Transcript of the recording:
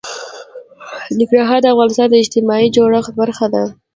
ننګرهار د افغانستان د اجتماعي جوړښت برخه ده.